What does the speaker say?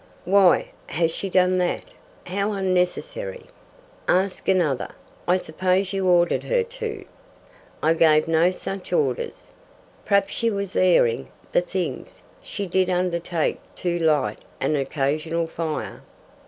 "Why has she done that? How unnecessary!" "Ask another. I suppose you ordered her to." "I gave no such orders. Perhaps she was airing the things. She did undertake to light an occasional fire."